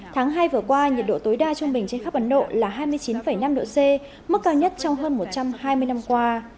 tháng hai vừa qua nhiệt độ tối đa trung bình trên khắp ấn độ là hai mươi chín năm độ c mức cao nhất trong hơn một trăm hai mươi năm qua